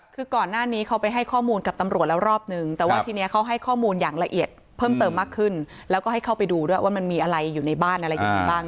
คือก่อนหน้านี้เขาไปให้ข้อมูลกับตำรวจแล้วรอบนึงแต่ว่าทีนี้เขาให้ข้อมูลอย่างละเอียดเพิ่มเติมมากขึ้นแล้วก็ให้เข้าไปดูด้วยว่ามันมีอะไรอยู่ในบ้านอะไรอย่างนี้บ้าง